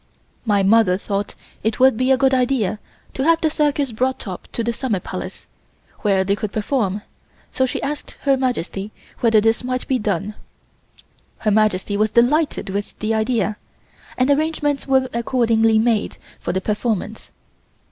My mother thought it would be a good idea to have the circus brought up to the Summer Palace, where they could perform, so she asked Her Majesty whether this might be done. Her Majesty was delighted with the idea, and arrangements were accordingly made for the performance.